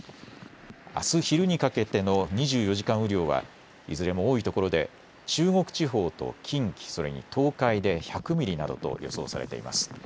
あす昼にかけての２４時間雨量はいずれも多いところで中国地方と近畿、それに東海で１００ミリなどと予想されています。